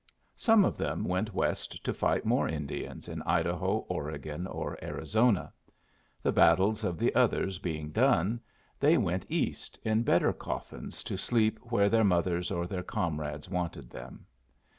Some of them went West to fight more Indians in Idaho, Oregon, or Arizona. The battles of the others being done, they went East in better coffins to sleep where their mothers or their comrades wanted them.